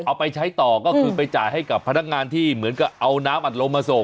เอาไปใช้ต่อก็คือไปจ่ายให้กับพนักงานที่เหมือนกับเอาน้ำอัดลมมาส่ง